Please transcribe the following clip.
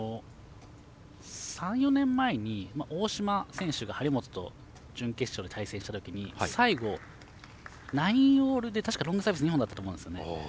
３４年前に大島選手が張本と準決勝で対戦した時に最後、９オールでロングサービス２本だったと思うんですね。